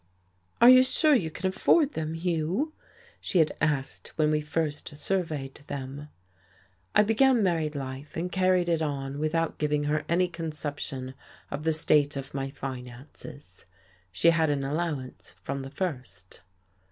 "Are you sure you can afford them, Hugh?" she had asked when we first surveyed them. I began married life, and carried it on without giving her any conception of the state of my finances. She had an allowance from the first.